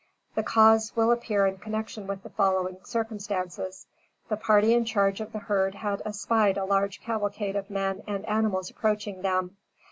The cause will appear in connection with the following circumstances. The party in charge of the herd had espied a large cavalcade of men and animals approaching them.